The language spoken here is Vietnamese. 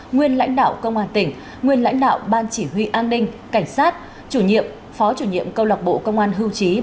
nguyên lãnh đạo công an tỉnh nguyên lãnh đạo ban chỉ huy an ninh cảnh sát chủ nhiệm phó chủ nhiệm câu lạc bộ công an hưu trí